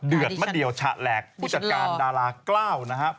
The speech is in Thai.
มะเดี่ยวฉะแหลกผู้จัดการดารา๙นะครับ